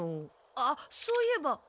あっそういえば。